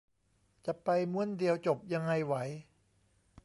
จะไปม้วนเดียวจบยังไงไหว